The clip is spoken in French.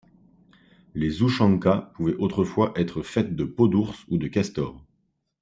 Les ouchankas pouvaient autrefois être faites de peau d'ours ou de castor.